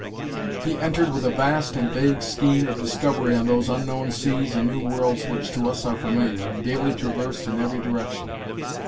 He entered with a vast and vague scheme of discovery on these unknown seas and new worlds which to us are familiar, and daily traversed in every direction.